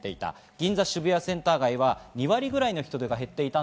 銀座、渋谷センター街は２割ぐらいの人が減っていました。